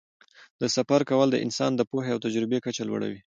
د سفر کول د انسان د پوهې او تجربې کچه لوړوي.